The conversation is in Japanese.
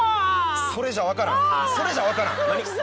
それじゃ分からんそれじゃ分からん。